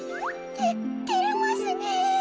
ててれますねえ。